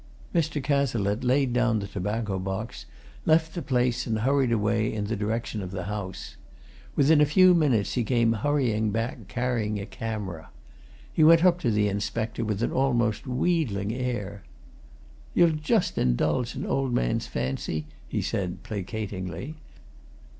Mr. Cazalette laid down the tobacco box, left the place, and hurried away in the direction of the house. Within a few minutes he came hurrying back, carrying a camera. He went up to the inspector with an almost wheedling air. "Ye'll just indulge an old man's fancy?" he said, placatingly.